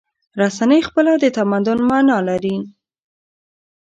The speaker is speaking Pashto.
رسنۍ خپله د تمدن معنی لري.